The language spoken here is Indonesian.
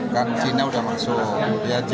kan sini sudah masuk